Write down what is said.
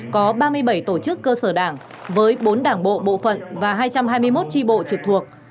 có ba mươi bảy tổ chức cơ sở đảng với bốn đảng bộ bộ phận và hai trăm hai mươi một tri bộ trực thuộc